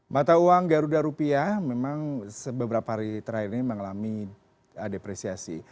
mata uang garuda rupiah memang beberapa hari terakhir ini mengalami depresiasi